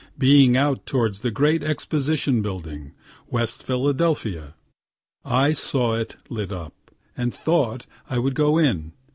Being out toward the great Exposition building, West Philadelphia, I saw it lit up, and thought I would go in.